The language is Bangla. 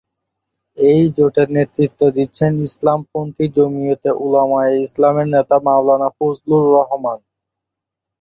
এই জোটের নেতৃত্ব দিচ্ছেন ইসলামপন্থী জমিয়তে উলামায়ে ইসলামের নেতা মাওলানা ফজলুর রহমান।